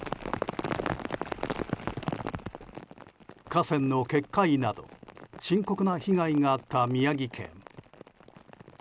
河川の決壊など深刻な被害があった宮城県。